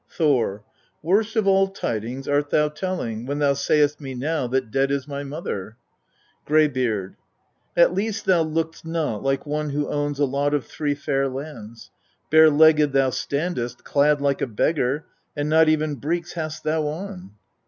Thor. 5. Worst of all tidings art thou telling, when thou sayest me now that dead is my mother. Greybeard. 6. At least thou lookst not like one who owns a lot of three fair lands ; bare legged thou standest, clad like a beggar, and not even breeks hast thou on.